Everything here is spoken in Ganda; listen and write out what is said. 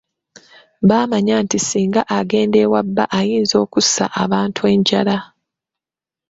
Bamanya nti singa agenda ewa bba ayinza okussa abantu enjala.